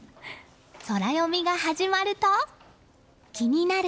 ソラよみが始まると気になる